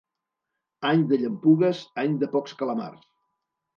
Any de llampugues, any de pocs calamars.